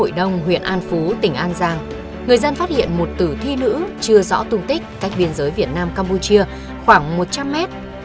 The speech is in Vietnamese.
trong lúc trở về tỉnh an giang người dân phát hiện một tử thi nữ chưa rõ tung tích cách biên giới việt nam campuchia khoảng một trăm linh mét